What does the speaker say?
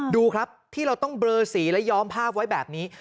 ดูครับที่เราต้องเบลอสีและย้อมภาพไว้แบบนี้